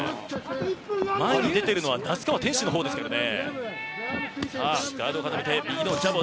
前に出ているのは那須川天心のほうですからね。